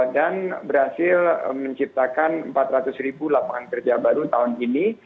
dan berhasil menciptakan empat ratus ribu lapangan kerja baru tahun ini